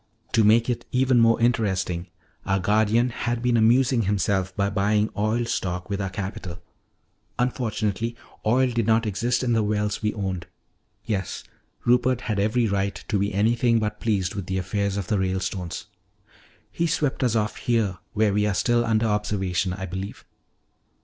To make it even more interesting, our guardian had been amusing himself by buying oil stock with our capital. Unfortunately, oil did not exist in the wells we owned. Yes, Rupert had every right to be anything but pleased with the affairs of the Ralestones. "He swept us off here where we are still under observation, I believe."